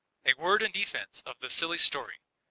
A word in defense of the silly story.